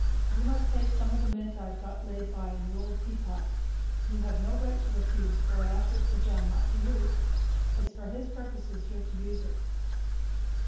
You must take some of the mint I've got laid by in the old tea pot. You have no right to refuse, for I offer it to Jem, not to you; it's for his purposes you're to use it."